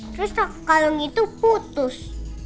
terus kalung itu putus